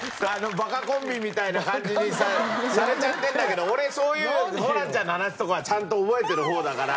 バカコンビみたいな感じにされちゃってるんだけど俺そういうホランちゃんの話とかはちゃんと覚えてる方だから。